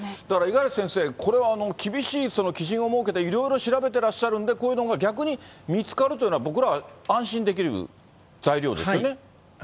だから五十嵐先生、これは厳しい基準を設けて、いろいろ調べてらっしゃるんで、こういうのが逆に見つかるというのは、僕らは安心できる材料ですよね。